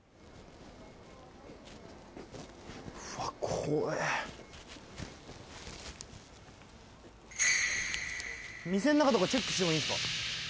怖え店の中とかチェックしていいんですか？